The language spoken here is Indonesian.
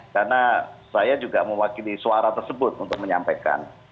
karena saya juga mewakili suara tersebut untuk menyampaikan